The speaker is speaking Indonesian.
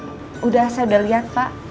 sudah saya udah lihat pak